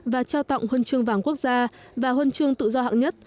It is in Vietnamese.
và trao tặng huân chương vàng quốc gia và huân chương tự do hạng nhất